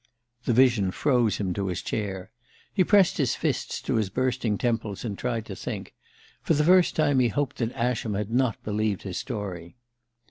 The vision froze him to his chair. He pressed his fists to his bursting temples and tried to think. For the first time he hoped that Ascham had not believed his story.